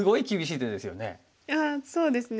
いやそうですね。